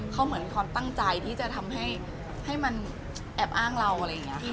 เขาเหมือนความตั้งใจที่จะทำให้มันแอบอ้างเราอะไรอย่างนี้ค่ะ